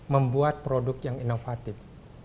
membuat produk yang inovatif